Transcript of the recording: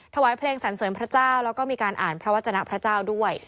ถวายเพลงสรรเสริมพระเจ้าแล้วก็มีการอ่านพระวจนะพระเจ้าด้วย